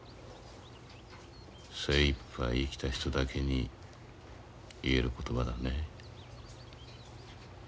精いっぱい生きた人だけに言える言葉だね。